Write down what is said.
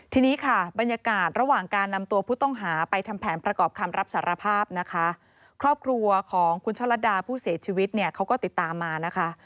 ทีนี้ค่ะบรรยากาศระหว่างการนำตัวผู้ต้องหาไปทำแผนประกอบคำรับสารภาพนะคะครอบครัวของคุณช่อลัดดาผู้เสียชีวิตเนี่ยเขาก็ติดตามมานะคะ